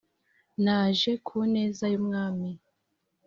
naje ku neza yu mwami